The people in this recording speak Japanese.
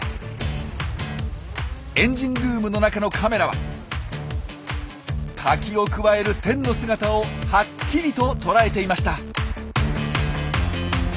エンジンルームの中のカメラはカキをくわえるテンの姿をはっきりととらえていました！